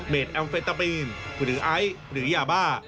แอมเฟตามีนหรือไอซ์หรือยาบ้า